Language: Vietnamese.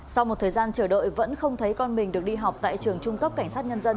sau một thời gian chờ đợi vẫn không thấy con mình được đi học tại trường trung cấp cảnh sát nhân dân